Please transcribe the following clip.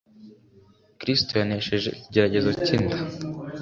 Kristo yanesheje ikigeragezo cy'inda,